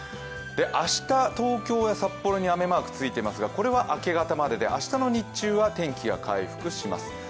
明日、東京や札幌に雨マークがついていますがこれは明け方までで明日の日中は天気が回復します。